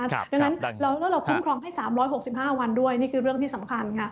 ดังนั้นแล้วเราคุ้มครองให้๓๖๕วันด้วยนี่คือเรื่องที่สำคัญค่ะ